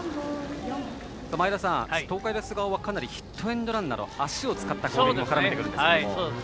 前田さん、東海大菅生はかなりヒットエンドランなど足を使った攻撃を絡めてくるんですが。